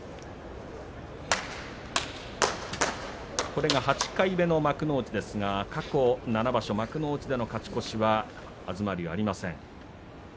これが８回目の幕内ですが過去７場所、幕内での勝ち越しは東龍、ありません。